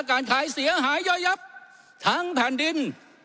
หายเสียหายย่อยยับทางแผ่นดิน